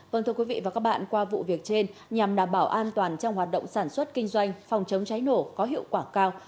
vâng thưa quý vị và các bạn qua vụ việc trên nhằm đảm bảo an toàn trong hoạt động sản xuất kinh doanh phòng chống cháy nổ có hiệu quả cao